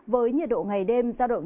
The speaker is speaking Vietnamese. với nhiệt độ ngày đêm giao động